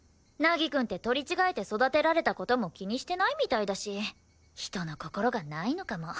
凪くんって取り違えて育てられた事も気にしてないみたいだし人の心がないのかも。